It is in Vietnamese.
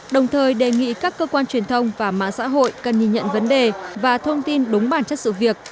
đồng thời đề nghị các cơ quan truyền thông và mạng xã hội cần nhìn nhận vấn đề và thông tin đúng bản chất sự việc